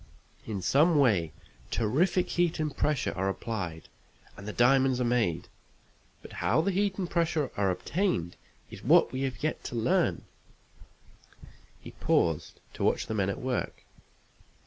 In some way terrific heat and pressure are applied, and the diamonds are made. But how the heat and pressure are obtained is what we have yet to learn." He paused to watch the men at work.